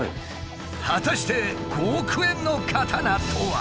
果たして５億円の刀とは？